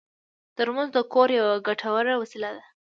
ترموز د کور یوه ګټوره وسیله ده.